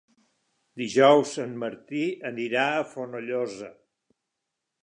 Dijous en Martí anirà a Fonollosa.